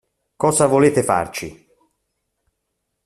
Cosa volete farci?